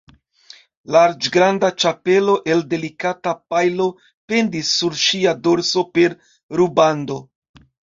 Larĝranda ĉapelo el delikata pajlo pendis sur ŝia dorso per rubando.